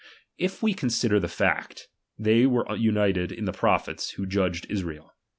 If we consider the fact, they were united in the prophets who judged Israel.